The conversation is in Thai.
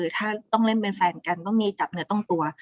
ถ้าต้องเล่นเป็นแฟนกันต้องมีจับเนื้อต้องตัว